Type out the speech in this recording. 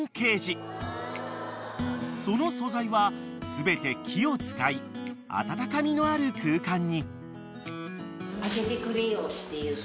［その素材は全て木を使い温かみのある空間に］